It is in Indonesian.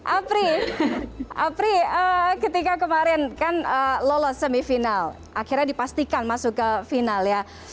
apri apri ketika kemarin kan lolos semifinal akhirnya dipastikan masuk ke final ya